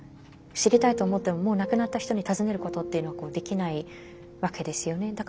知りたいと思ってももう亡くなった人に尋ねることっていうのはできないわけですよね。